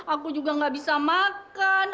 aku juga gak bisa makan